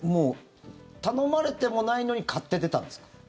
頼まれてもないのに買って出たんですか？